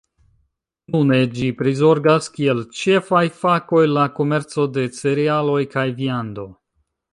Nune ĝi prizorgas kiel ĉefaj fakoj la komerco de cerealoj kaj viando.